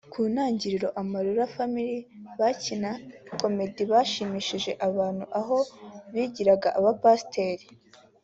Ku ntangiro Amarula Family bakina Comedy bashimishije abantu aho bigiraga abapasiteri